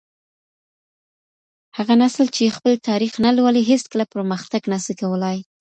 هغه نسل چي خپل تاريخ نه لولي هيڅکله پرمختګ نسي کولای.